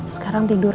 sekarang tidur ya